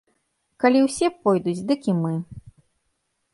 Калі ўсе пойдуць, дык і мы.